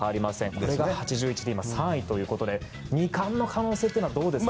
これが８１で３位ということで２冠の可能性はどうですか？